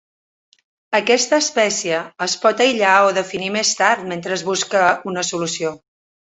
Aquesta espècie es pot aïllar o definir més tard mentre es busca una solució.